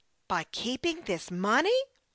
" By keeping this money ?